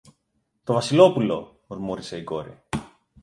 Το Βασιλόπουλο! μουρμούρισε η κόρη.